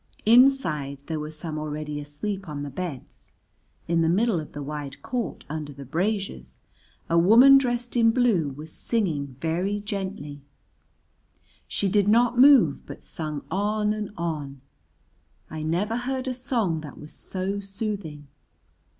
Inside there were some already asleep on the beds, in the middle of the wide court under the braziers a woman dressed in blue was singing very gently, she did not move, but sung on and on, I never heard a song that was so soothing.